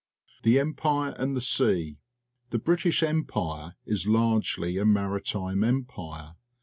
The Empire and the Sea. — The British Empire is largely a Maritime Empire.